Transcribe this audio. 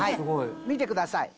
見てください。